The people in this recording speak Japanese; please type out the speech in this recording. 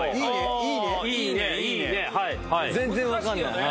全然分かんない。